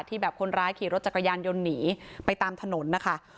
แบบคนร้ายขี่รถจักรยานยนต์หนีไปตามถนนนะคะ